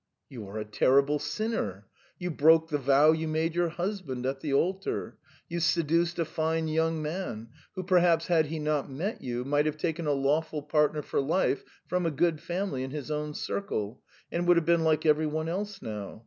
"You are a terrible sinner. You broke the vow you made your husband at the altar. You seduced a fine young man, who perhaps had he not met you might have taken a lawful partner for life from a good family in his own circle, and would have been like every one else now.